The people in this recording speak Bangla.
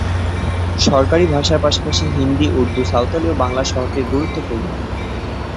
সরকারি ভাষার পাশাপাশি হিন্দি, উর্দু, সাঁওতালি ও বাংলা শহরটির গুরুত্বপূর্ণ।